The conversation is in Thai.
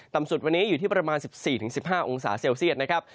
ต่ำสุดวันนี้อยู่ที่ประมาณสิบสี่ถึงสิบห้าองศาเซลเซียสนะครับ